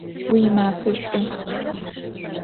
Vuimafe ş'u!